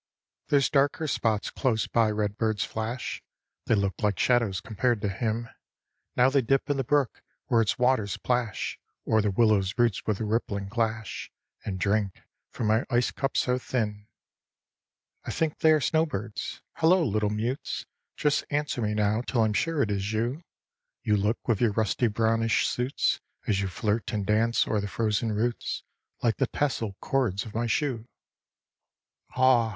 There's darker spots close by redbird's flash; They look like shadows compared to him. Now they dip in the brook where its waters plash O'er the willow's roots with a rippling clash, And drink from my ice cups so thin. I think they are snowbirds. Hello, little mutes! Just answer me now till I'm sure it is you. You look with your rusty brownish suits, As you flirt and dance o'er the frozen roots, Like the tasseled cords of my shoe. Haw!